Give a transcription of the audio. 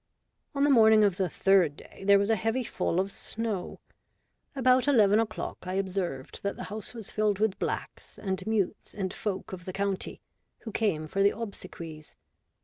On the morning of the third day there was a heavy fall of snow. About eleven o'clock I observed that the house was filled with blacks, and mutes, and folk of the county, who came for the obsequies.